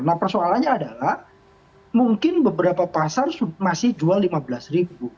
nah persoalannya adalah mungkin beberapa pasar masih jual rp lima belas ribu